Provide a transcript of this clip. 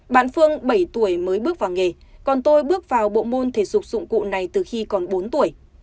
bạn phương bảy tuổi mới bước vào nghề còn tôi bước vào bộ môn thể dục dụng cụ này từ khi còn bốn tuổi